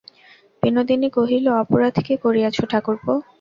বিনোদিনী কহিল, অপরাধ কী করিয়াছ, ঠাকুরপো।